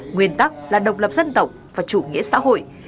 nguyên tắc là độc lập dân tộc và chủ nghĩa xã hội